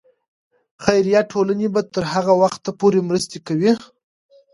خیریه ټولنې به تر هغه وخته پورې مرستې کوي.